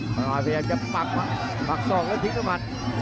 ป๊อปอายพยายามจะปักปักซองแล้วทิ้งให้หมัด